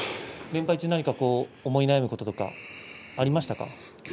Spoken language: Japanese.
連敗中、思い悩むことがありましたか？